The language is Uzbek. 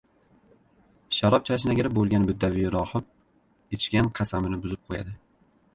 – sharob chashnagiri bo‘lgan buddaviy rohib ichgan qasamini buzib qo‘yadi;